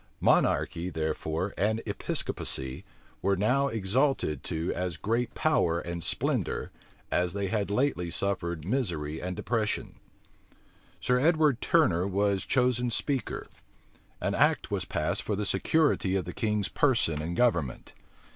Monarchy, therefore, and Episcopacy, were now exalted to as great power and splendor as they had lately suffered misery and depression. Sir Edward Turner was chosen speaker. [*] Carte's Answer to the Bystander, p. 79. An act was passed for the security of the king's person and government.